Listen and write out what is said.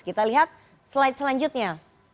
kita lihat slide selanjutnya